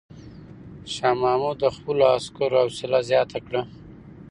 شاه محمود د خپلو عسکرو حوصله زیاته کړه.